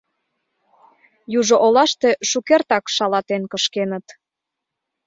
— Южо олаште шукертак шалатен кышкеныт.